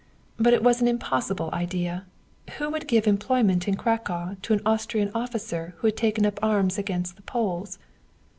But it was an impossible idea. Who would give employment in Cracow to an Austrian officer who had taken up arms against the Poles?